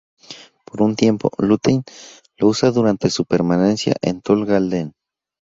Por un tiempo, Lúthien lo usa durante su permanencia en Tol Galen.